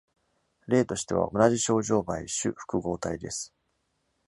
例としては、「オナジショウジョウバエ」種複合体です。